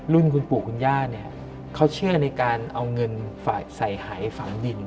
รุ่นคุณปู่คุณญาติเขาเชื่อการสายหายของในฝั่งดิน